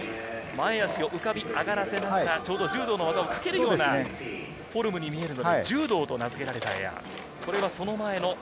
前足を浮かび上がらせながら、柔道の技をかけるようなフォルムに見えるので、ジュードーと名付けられたエアです。